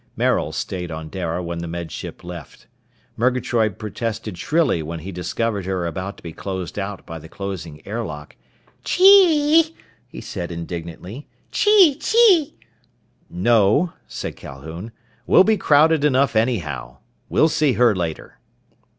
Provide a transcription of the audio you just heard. Maril stayed on Dara when the Med Ship left. Murgatroyd protested shrilly when he discovered her about to be closed out by the closing airlock. "Chee!" he said indignantly. "Chee! Chee!" "No," said Calhoun. "We'll be crowded enough anyhow. We'll see her later."